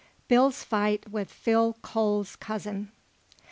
BILL'S FIGHT WITH PHIL COLE'S COUSIN.